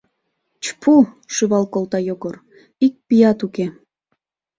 — Чпу! — шӱвал колта Йогор, — ик пият уке.